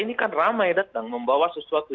ini kan ramai datang membawa sesuatu